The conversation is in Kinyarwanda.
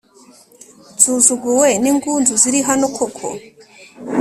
nsuzuguwe n’ingunzu zirihano koko